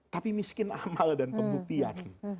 tapi miskin amal dan pembuluhan